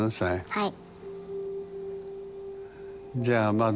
はい。